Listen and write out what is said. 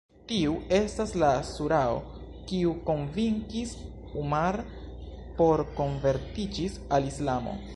Tiu estas la Surao kiu konvinkis Umar por konvertiĝis al Islamo.